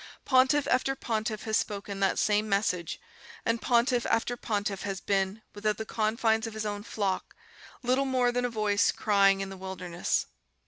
Pontiff after pontiff has spoken that same message, and pontiff after pontiff has been, without the confines of his own flock, little more than a voice crying in the wilderness.